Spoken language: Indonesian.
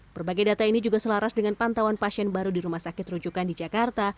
berbagai data ini juga selaras dengan pantauan pasien baru di rumah sakit rujukan di jakarta